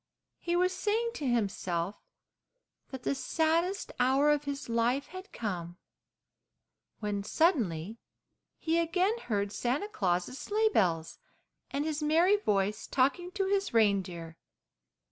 He was saying to himself that the saddest hour of his life had come, when suddenly he again heard Santa Claus' sleigh bells and his merry voice talking to his reindeer.